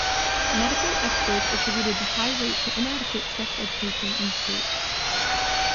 Medical experts attributed the high rate to inadequate sex education in schools.